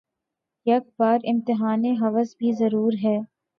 یک بار امتحانِ ہوس بھی ضرور ہے